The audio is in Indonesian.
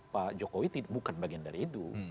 pak jokowi bukan bagian dari itu